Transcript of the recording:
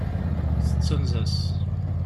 Tettanez-as.